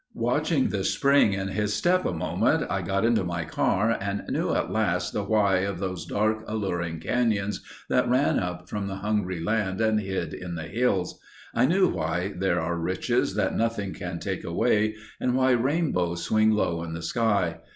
Watching the spring in his step a moment, I got into my car and knew at last the why of those dark alluring canyons that ran up from the hungry land and hid in the hills. I knew why there are riches that nothing can take away and why rainbows swing low in the sky.